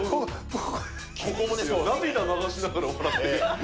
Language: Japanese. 涙流しながら笑ってる。